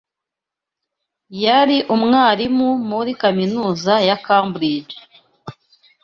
Yari umwarimu muri kaminuza ya Cambridge.